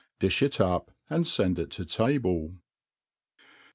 Di(h it up| and, fend it to v table.